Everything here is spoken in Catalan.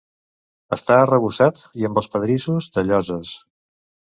Està arrebossat i amb els pedrissos de lloses.